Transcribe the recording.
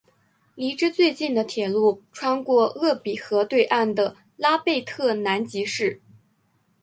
离之最近的铁路穿过鄂毕河对岸的拉贝特南吉市。